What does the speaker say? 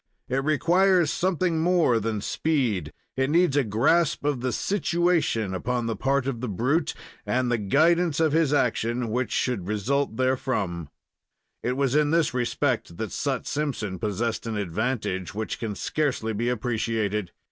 It requires something more than speed it needs a grasp of the "situation," upon the part of the brute, and the guidance of his action which should result therefrom. It was in this respect that Sut Simpson possessed an advantage which can scarcely be appreciated.